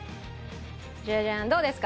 ジャジャンどうですか？